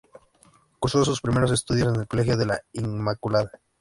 Cursó sus primeros estudios en el colegio de la Inmaculada.